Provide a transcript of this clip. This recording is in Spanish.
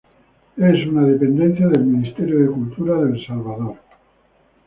Es una dependencia del Ministerio de Cultura de El Salvador.